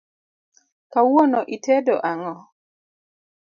Kawuono itedo ang’o?